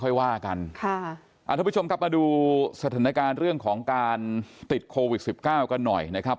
ค่อยว่ากันค่ะอ่าทุกผู้ชมครับมาดูสถานการณ์เรื่องของการติดโควิดสิบเก้ากันหน่อยนะครับ